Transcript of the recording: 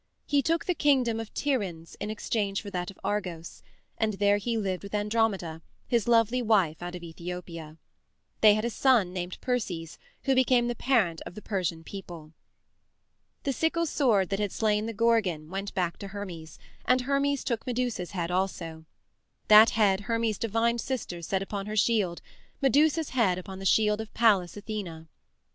He took the kingdom of Tiryns in exchange for that of Argos, and there he lived with Andromeda, his lovely wife out of Ethopia. They had a son named Perses who became the parent of the Persian people. The sickle sword that had slain the Gorgon went back to Hermes, and Hermes took Medusa's head also. That head Hermes's divine sister set upon her shield Medusa's head upon the shield of Pallas Athene.